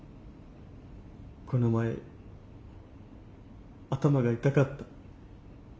この前頭が痛かった。